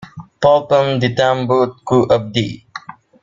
Pulpen ditambut ku abdi.